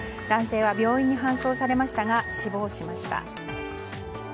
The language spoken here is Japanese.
男性は病院に搬送されましたが死亡しました。